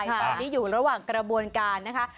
ตอนนี้อยู่ระหว่างกระบวนการนะคะ